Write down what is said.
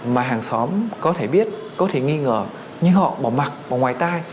mà hàng xóm có thể biết có thể nghi ngờ nhưng họ bỏ mặt bỏ ngoài tay